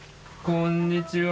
こんにちは。